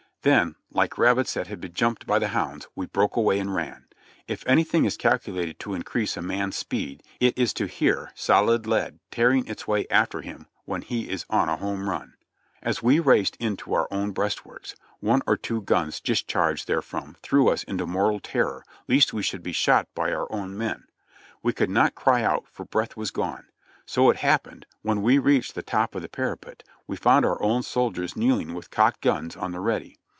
Then, like rabbits that had been jumped by the hounds, we broke away and ran. If anything is calculated to increase a man's speed it is to hear solid lead tearing its way after him when he is on a home run. As we raced in to our own breastworks, one or two guns discharged therefrom threw us into mortal ter ror lest we should be shot by our own men. We could not cry out, for breath was gone; so it happened, when we reached the top of the parapet, we found our own soldiers kneeling with cocked guns on a ready.